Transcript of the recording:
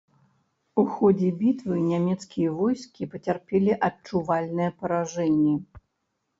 У ходзе бітвы нямецкія войскі пацярпелі адчувальнае паражэнне.